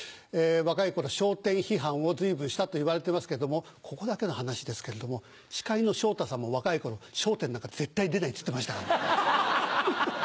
若い頃笑点批判を随分したと言われてますけどもここだけの話ですけれども司会の昇太さんも若い頃『笑点』なんか絶対出ないって言ってましたから。